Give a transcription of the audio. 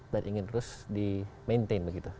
dan ingin terus di maintain begitu